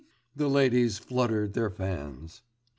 The ladies fluttered their fans.